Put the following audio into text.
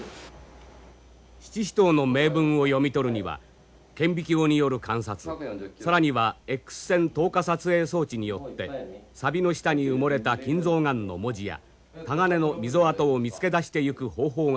七支刀の銘文を読み取るには顕微鏡による観察更にはＸ線透過撮影装置によって錆の下に埋もれた金象眼の文字やタガネの溝跡を見つけ出していく方法がとられた。